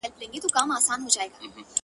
غوږ یې ونیوی منطق د زورور ته!!